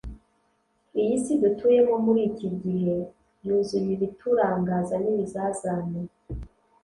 iyi si dutuyemo muri iki gihe yuzuye ibiturangaza n’ibizazane.